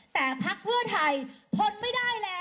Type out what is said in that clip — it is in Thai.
แต่พักเพื่อไทยทนไม่ได้แล้ว